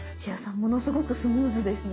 ものすごくスムーズですね。